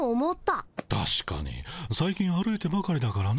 たしかに最近歩いてばかりだからねえ。